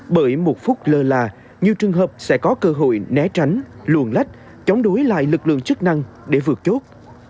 bởi một phút lơ là nhiều trường hợp sẽ có cơ hội né tránh luồn lách chống đối lại lực lượng chức năng để vượt chốt